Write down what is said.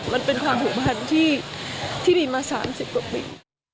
มันเป็นความถูกพันธุ์ที่มีมาสามสิบกว่าปี